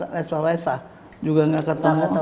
leswa lesa juga nggak ketemu